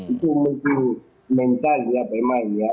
itu mungkin mental ya pemain